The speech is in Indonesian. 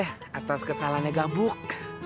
ya atas kesalahannya gabuk